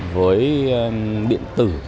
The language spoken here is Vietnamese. với điện tử